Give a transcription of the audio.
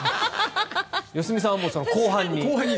良純さんはもう後半に。